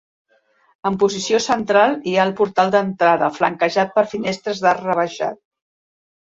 En posició central hi ha el portal d'entrada, flanquejat per finestres d'arc rebaixat.